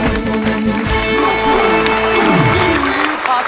ร้องได้ให้ร้าน